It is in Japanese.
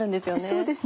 そうですね。